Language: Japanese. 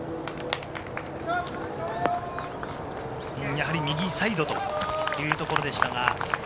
やはり右サイドというところでしたが。